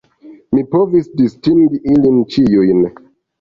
Mi povis distingi ilin ĉiujn.